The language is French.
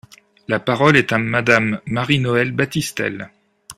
La parole est à Madame Marie-Noëlle Battistel.